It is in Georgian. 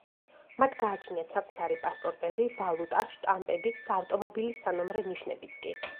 მათ გააჩნიათ საკუთარი პასპორტები, ვალუტა, შტამპები და ავტომობილების სანომრე ნიშნებიც კი.